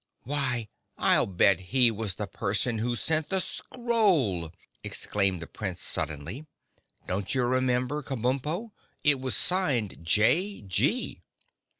"Why, I'll bet he was the person who sent the scroll!" exclaimed the Prince suddenly. "Don't you remember, Kabumpo, it was signed J. G.?"